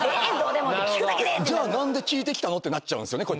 じゃあなんで聞いてきたのってなっちゃうんですよ